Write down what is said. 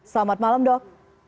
selamat malam dok